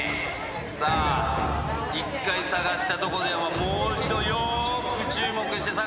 さあ一回捜したとこでももう一度よく注目して捜してくれたまえ。